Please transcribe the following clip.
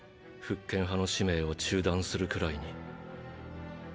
復権派の使命を中断するくらいに。